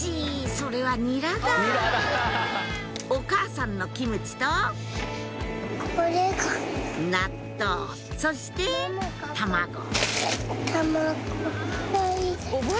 それはニラだお母さんのキムチと納豆そして卵たまご。